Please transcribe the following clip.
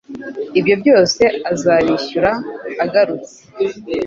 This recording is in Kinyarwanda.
ibyo byose azabyishyura agarutse.